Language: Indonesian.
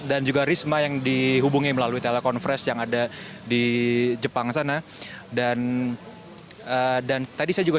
dan juga risma yang dihubungi melalui telekonferensi yang ada di jepang sana dan dan tadi saya juga